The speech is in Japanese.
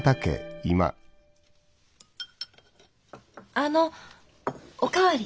あのお代わり。